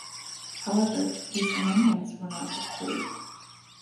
However, these amendments were not approved.